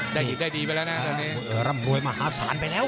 ใจหิตขาดกว่าแล้วนะเนี่ยรบลวยมหาสารไปแล้ว